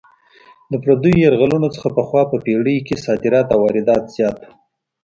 د پردیو یرغلونو څخه پخوا په پېړۍ کې صادرات او واردات زیات وو.